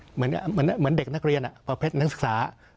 เหมือนเด็กนักเรียนประเภทนักศึกษา